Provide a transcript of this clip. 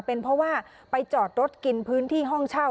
เป็นเพราะว่าไปจอดรถกินพื้นที่ห้องเช่า